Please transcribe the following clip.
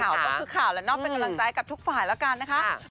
ข่าวก็คือข่าวแล้วเนาะเป็นกำลังใจกับทุกฝ่ายแล้วกันนะคะ